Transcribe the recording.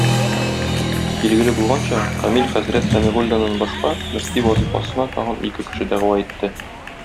Билгеле булганча, Камил хәзрәт Сәмигуллиннан башка, мөфти вазыйфасына тагын ике кеше дәгъва итте.